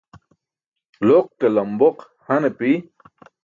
Loq ke lamboq han api.